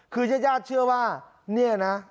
คือญาติเชื่อว่าเนี่ยนะ